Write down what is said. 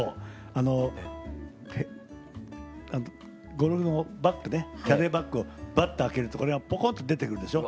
あのゴルフのバッグねキャディーバッグをばって開けるとこれがぽこっと出てくるでしょ。